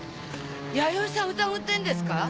弥生さん疑ってるんですか！？